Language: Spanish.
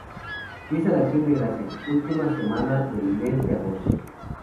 Fiesta de acción de gracias: Última semana del mes de agosto.